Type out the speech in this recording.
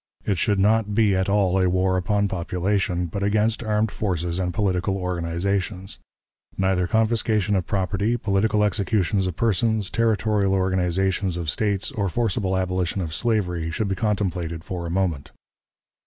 It should not be at all a war upon population, but against armed forces and political organizations. Neither confiscation of property, political executions of persons, territorial organizations of States, or forcible abolition of slavery, should be contemplated for a moment.